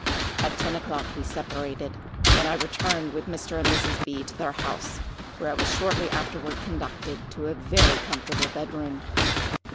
At ten o'clock we separated, and I returned with Mr. and Mrs. B—— to their house, where I was shortly afterward conducted to a very comfortable bed room.